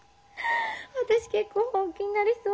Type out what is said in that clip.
私結構本気になりそう。